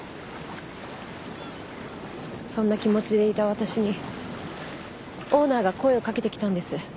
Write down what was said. そんな気持ちでいた私にオーナーが声をかけてきたんです。